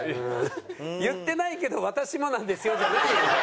「言ってないけど私もなんですよ」じゃないのよ。